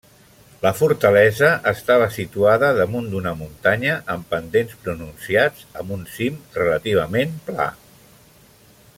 La fortalesa estava situada damunt d'una muntanya amb pendents pronunciats amb un cim relativament pla.